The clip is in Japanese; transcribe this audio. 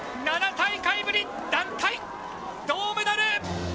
７大会ぶり団体、銅メダル！